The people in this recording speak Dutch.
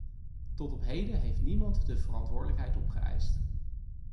Tot op heden heeft niemand de verantwoordelijkheid opgeëist.